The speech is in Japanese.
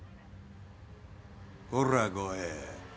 こら鋼平。